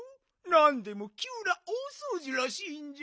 なんでもきゅうな大そうじらしいんじゃ。